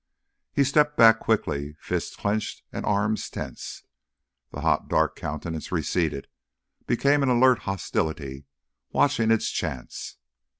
He stepped back quickly, fists clenched and arms tense. The hot, dark countenance receded, became an alert hostility, watching its chance.